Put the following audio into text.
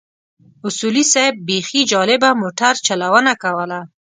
اصولي صیب بيخي جالبه موټر چلونه کوله.